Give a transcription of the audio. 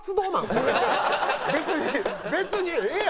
別に別にええやん。